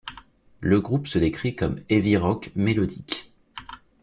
Le groupe se décrit comme heavy rock mélodique.